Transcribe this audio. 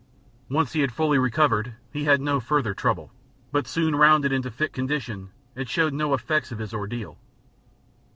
Once he had fully recovered he had no further trouble, but soon rounded into fit condition and showed no effects of his ordeal.